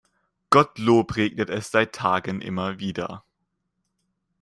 Gottlob regnet es seit Tagen immer wieder.